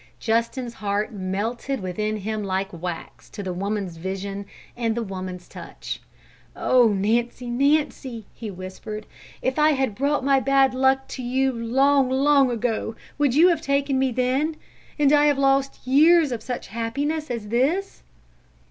Justin's heart melted within him like wax to the woman's vision and the woman's touch. "Oh, Nancy, Nancy!" he whispered. "If I had brought my bad luck to you long, long ago, would you have taken me then, and have I lost years of such happiness as this?"